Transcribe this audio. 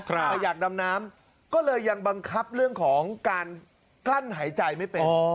แต่อยากดำน้ำก็เลยยังบังคับเรื่องของการกลั้นหายใจไม่เป็น